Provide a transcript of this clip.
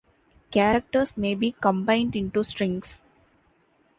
Characters may be combined into strings.